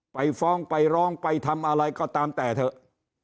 ไปฟ้องไปร้องไปทำอะไรก็ตามแต่เถอะ